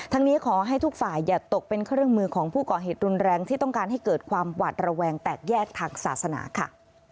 นี้ขอให้ทุกฝ่ายอย่าตกเป็นเครื่องมือของผู้ก่อเหตุรุนแรงที่ต้องการให้เกิดความหวาดระแวงแตกแยกทางศาสนาค่ะ